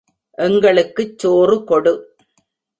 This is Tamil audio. எங்களுக்குச் சோறு கொடு!